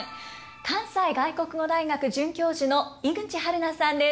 関西外国語大学准教授の井口はる菜さんです。